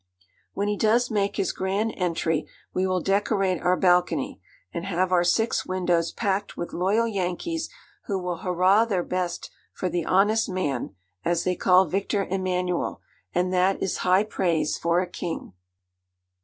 'When he does make his grand entry, we will decorate our balcony, and have our six windows packed with loyal Yankees who will hurrah their best for "the honest man," as they call Victor Emmanuel and that is high praise for a king.'